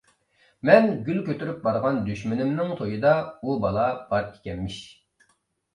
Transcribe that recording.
مەن گۈل كۆتۈرۈپ بارغان دۈشمىنىمنىڭ تويىدا ئۇ بالا بار ئىكەنمىش.